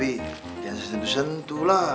eh tapi jangan sesentuh sentuh lah